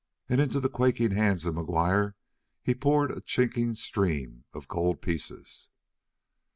And into the quaking hands of McGuire he poured a chinking stream of gold pieces.